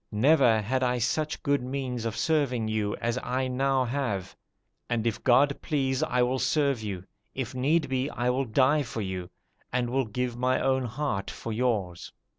Never had I such good means of serving you as I now have; and if God please, I will serve you; if need be, I will die for you, and will give my own heart for yours.